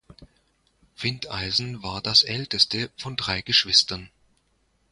Findeisen war das älteste von drei Geschwistern.